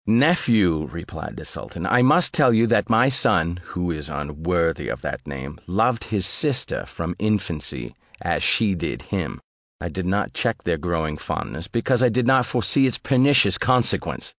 "Nephew," replied the sultan, "I must tell you, that my son (who is unworthy of that name) loved his sister from his infancy, as she did him: I did not check their growing fondness, because I did not foresee its pernicious consequence.